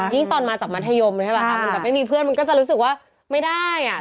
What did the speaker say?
ตอนมาจากมัธยมเลยใช่ป่ะคะมันแบบไม่มีเพื่อนมันก็จะรู้สึกว่าไม่ได้อ่ะ